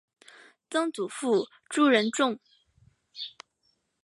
曾祖父朱仁仲。